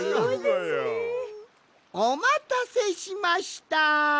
おまたせしました。